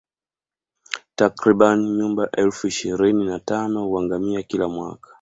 Takribani nyumbu elfu ishirini na tano huangamia kila mwaka